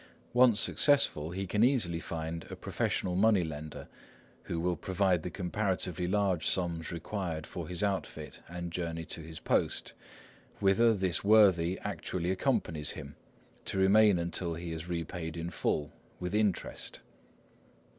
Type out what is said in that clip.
Once successful, he can easily find a professional money lender who will provide the comparatively large sums required for his outfit and journey to his post, whither this worthy actually accompanies him, to remain until he is repaid in full, with interest.